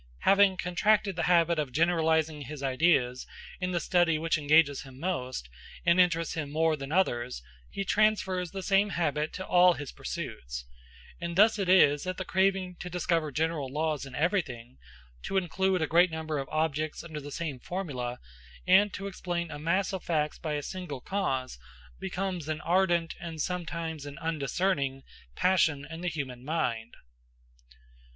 Having contracted the habit of generalizing his ideas in the study which engages him most, and interests him more than others, he transfers the same habit to all his pursuits; and thus it is that the craving to discover general laws in everything, to include a great number of objects under the same formula, and to explain a mass of facts by a single cause, becomes an ardent, and sometimes an undiscerning, passion in the human mind.